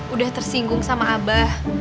udah tersinggung sama abah